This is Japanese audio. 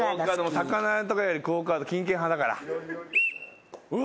魚とかよりＱＵＯカード金券派だから。